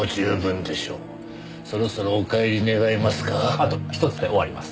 あとひとつで終わります。